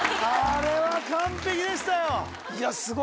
あれは完璧でしたよ。